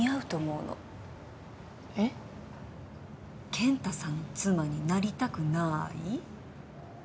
健太さんの妻になりたくない？